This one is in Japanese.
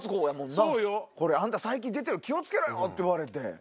そうよ。あんた最近出てる気を付けろよって言われて。